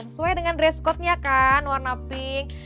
sesuai dengan dress code nya kan warna pink